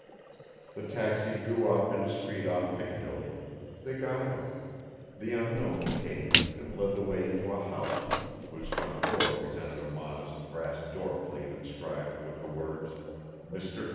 The taxi drew up in a street off Piccadilly; they got out; the unknown paid and led the way into a house, whose front door presented a modest brass door plate inscribed with the words: "MR.